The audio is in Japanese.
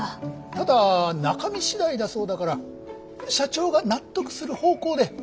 ただ中身次第だそうだから社長が納得する方向で引き続き頼むよ。